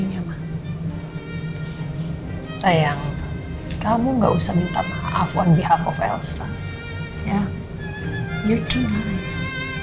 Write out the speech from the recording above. ini ya ma sayang kamu gak usah minta maaf di hadapan elsa ya kamu terlalu baik